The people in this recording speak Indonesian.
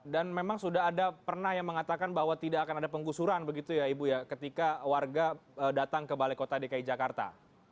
dan memang sudah ada pernah yang mengatakan bahwa tidak akan ada penggusuran begitu ya ibu ya ketika warga datang ke balai kota dki jakarta